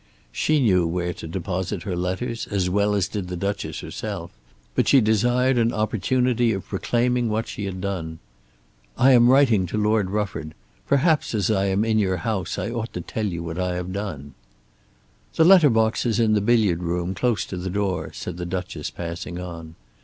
She knew where to deposit her letters as well as did the Duchess herself; but she desired an opportunity of proclaiming what she had done. "I am writing to Lord Rufford. Perhaps as I am in your house I ought to tell you what I have done." "The letter box is in the billiard room, close to the door," said the Duchess passing on.